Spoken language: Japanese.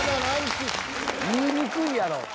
言いにくいやろ。